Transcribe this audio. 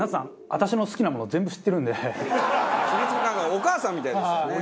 お母さんみたいでしたね。